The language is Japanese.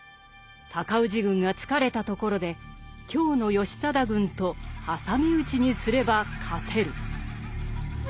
尊氏軍が疲れたところで京の義貞軍と挟み撃ちにすれば勝てる」。